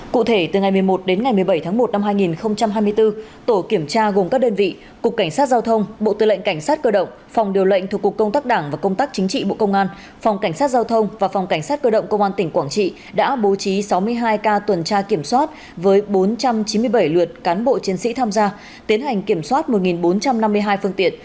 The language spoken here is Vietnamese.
cụ thể từ ngày một mươi một đến ngày một mươi bảy tháng một năm hai nghìn hai mươi bốn tổ kiểm tra gồm các đơn vị cục cảnh sát giao thông bộ tư lệnh cảnh sát cơ động phòng điều lệnh thuộc cục công tác đảng và công tác chính trị bộ công an phòng cảnh sát giao thông và phòng cảnh sát cơ động công an tỉnh quảng trị đã bố trí sáu mươi hai ca tuần tra kiểm soát với bốn trăm chín mươi bảy luật cán bộ chiến sĩ tham gia tiến hành kiểm soát một bốn trăm năm mươi hai phương tiện